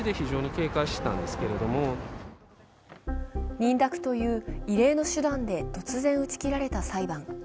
認諾という異例の手段で突然、打ち切られた裁判。